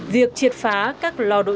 việc triệt phá các lò đồn